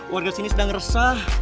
warga sini sedang resah